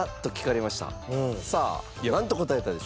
さあなんと答えたでしょう？